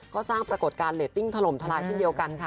ก็สร้างปรากฏการณ์ฐลมทรายเช่นเดียวกันค่ะ